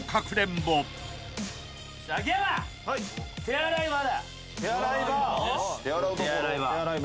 手洗い場？